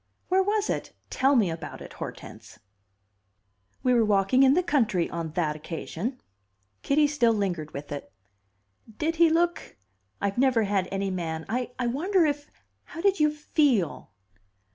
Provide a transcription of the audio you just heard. "Where was it? Tell me about it, Hortense." "We were walking in the country on that occasion." Kitty still lingered with it. "Did he look I've never had any man I wonder if how did you feel?"